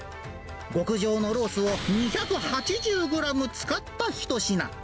極上のロースを２８０グラム使った一品。